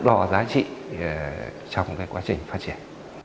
phát triển phát triển